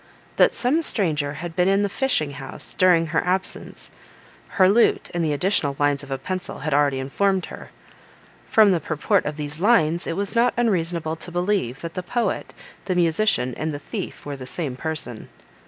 That some stranger had been in the fishing house, during her absence, her lute, and the additional lines of a pencil, had already informed her: from the purport of these lines it was not unreasonable to believe, that the poet, the musician, and the thief were the same person.